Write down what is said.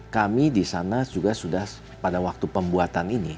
kami disana juga sudah pada waktu pembuatan ini